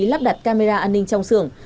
lắp đặt camera an ninh trong sưởng